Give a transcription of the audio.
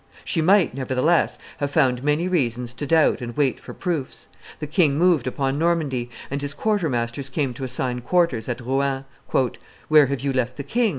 She might, nevertheless, have found many reasons to doubt and wait for proofs. The king moved upon Normandy; and his quartermasters came to assign quarters at Rouen. "Where have you left the king?"